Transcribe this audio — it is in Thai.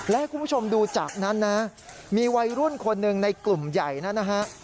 และให้คุณผู้ชมดูจากนั้นนะมีวัยรุ่นคนหนึ่งในกลุ่มใหญ่นั้นนะฮะ